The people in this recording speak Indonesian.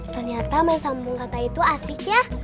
ternyata main sambung kata itu asik ya